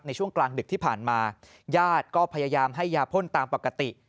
ในช่วงกลางดึกที่ผ่านมาญาติก็พยายามให้ยาพ่นตามปกติ